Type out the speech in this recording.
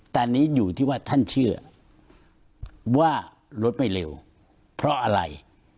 ตอนนี้อยู่ที่ว่าท่านเชื่อว่ารถไม่เร็วเพราะอะไร